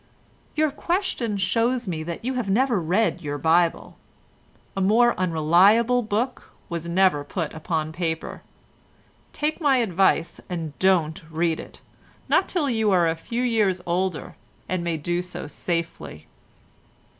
"Your question shows me that you have never read your Bible. A more unreliable book was never put upon paper. Take my advice and don't read it, not till you are a few years older, and may do so safely."